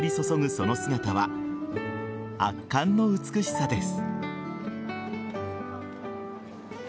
その姿は圧巻の美しさです。